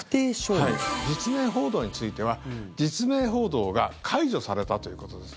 実名報道については実名報道が解除されたということです。